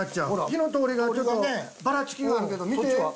火の通りがちょっとバラつきがあるけど見て。